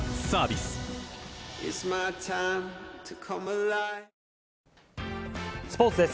スポーツです。